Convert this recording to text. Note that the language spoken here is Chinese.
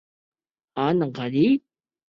赛事邀请八支日本各地不同地区球队参赛。